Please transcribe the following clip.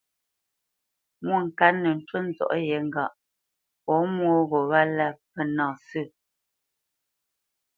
Mwôŋkát nə́ ncú nzɔ̌ʼ yé ŋgâʼ pɔ̌ mwô gho wálā mpfə́ nâ sə̂.